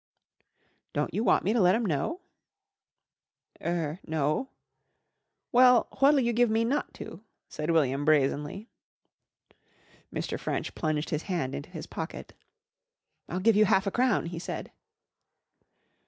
"Don't you want me to let 'em know?" "Er no." "Well, what'll you give me not to?" said William brazenly. Mr. French plunged his hand into his pocket. "I'll give you half a crown," he said.